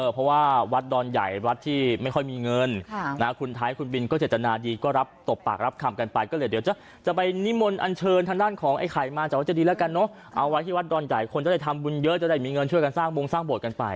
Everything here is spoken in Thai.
เพราะว่าวัดดอนใหญ่วัดที่ไม่ค่อยมีเงินคุณไทยคุณบินก็เจตนาดีก็รับตบปากรับคำกันไปก็เลยเดี๋ยวจะไปนิมนต์อันเชิญทางด้านของไอ้ไข่มาจากวัดเจดีแล้วกันเนอะเอาไว้ที่วัดดอนใหญ่คนจะได้ทำบุญเยอะจะได้มีเงินช่วยกันสร้างวงสร้างโบสถกันไป